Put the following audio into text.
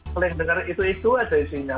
saling dengar itu itu aja isinya